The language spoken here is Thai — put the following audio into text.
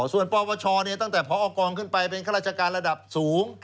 ส่วนปปชตั้งแต่พอกองขึ้นไปเป็นข้าราชการระดับสูง